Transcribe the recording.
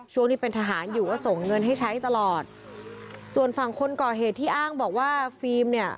ช่วงที่เป็นทหารอยู่ก็ส่งเงินให้ใช้ตลอดส่วนฝั่งคนก่อเหตุที่อ้างบอกว่าฟิล์มเนี่ย